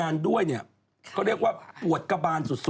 แต่คนเนี้ยจะเลิศ